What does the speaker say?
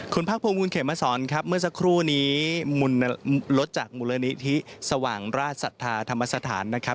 คุณภาคพรุมคุณเขมสรเมื่อสักครู่นี้รถจากมรณิธิสว่างราชศรัทธาธรรมสถาน